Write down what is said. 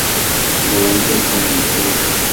প্রভাঞ্জন কর্ণের ছেলে।